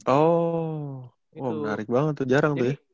oh menarik banget tuh jarang tuh ya